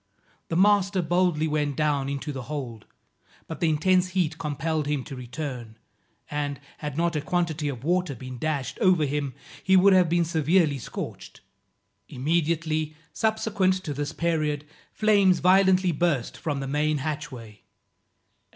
The master boldly went down into the hold, but the intense heat compelled him to return, and, had not a quantity of water been dashed over him, he would have been severely scorched. Immediately subsequent to this period, flames violently burst from the main hatchway.